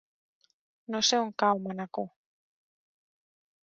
No sé on cau Manacor.